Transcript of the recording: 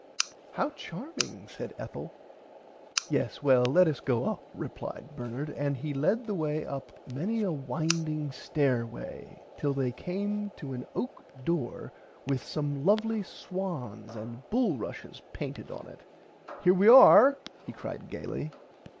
How charming said Ethel. Yes well let us go up replied Bernard and he led the way up many a winding stairway till they came to an oak door with some lovly swans and bull rushes painted on it. Here we are he cried gaily.